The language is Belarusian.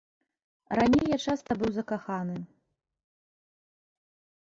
Раней я часта быў закаханы.